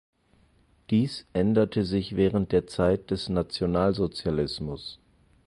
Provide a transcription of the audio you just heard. Dies änderte sich während der Zeit des Nationalsozialismus.